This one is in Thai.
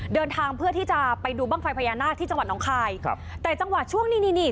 เดินทางเพื่อที่จะไปดูบ้างไฟพญานาคที่จังหวัดน้องคายครับแต่จังหวะช่วงนี้นี่นี่นี่